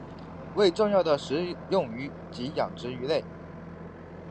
为重要的食用鱼及养殖鱼类。